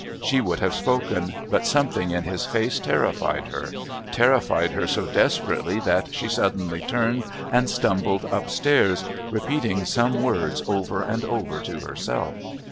She would have spoken, but something in his face terrified her, terrified her so desperately that she suddenly turned and stumbled upstairs, repeating some words over and over to herself.